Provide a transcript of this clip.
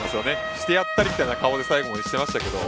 してやったりみたいな顔で最後もしてましたけど